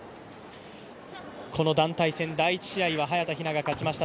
この団体戦第１試合は早田ひなが勝ちました。